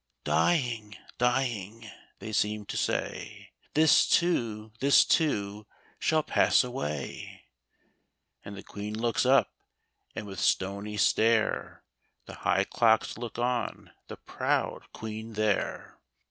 —" Dying — dying," they seem to say —" This too — this too — shall pass away !" And the Queen looks up, and with stony stare The high clocks look on the proud Queen there.